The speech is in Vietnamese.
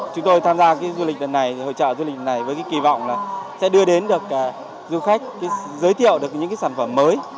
chúng tôi tham gia hội trợ du lịch này với kỳ vọng sẽ đưa đến được du khách giới thiệu được những sản phẩm mới